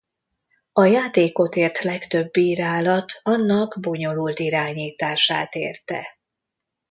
A játékot ért legtöbb bírálat annak bonyolult irányítását érte.